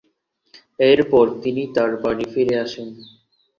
এর পর তিনি তার বাড়ি ফিরে আসেন।